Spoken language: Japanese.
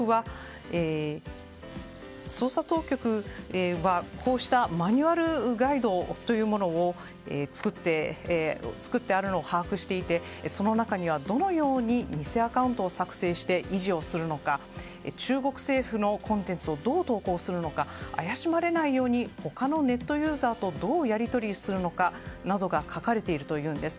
捜査当局は、こうしたマニュアルガイドというものを作ってあるのを把握していてその中にはどのように偽アカウントを作成し維持するのか中国政府のコンテンツをどう投稿するか怪しまれないように他のネットユーザーとどうやり取りするのかなどが書かれているというんです。